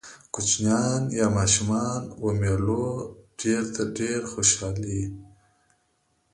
کوچنيان يا ماشومان و مېلو ډېر ته ډېر خوشحاله يي.